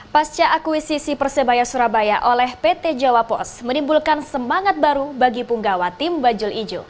pasca akuisisi persebaya surabaya oleh pt jawa post menimbulkan semangat baru bagi punggawa tim bajul ijo